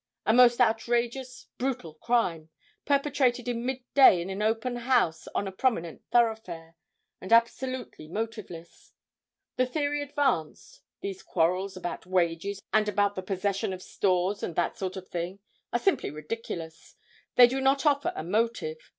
A most outrageous, brutal crime, perpetrated in mid day in an open house on a prominent thoroughfare, and absolutely motiveless. The theory advanced—these quarrels about wages and about the possession of stores and that sort of thing—are simply ridiculous. They do not offer a motive.